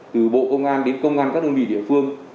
từ bộ công an đến công an các đơn vị địa phương